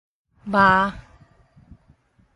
峇